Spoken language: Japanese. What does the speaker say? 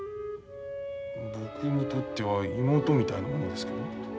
僕にとっては妹みたいなものですけど。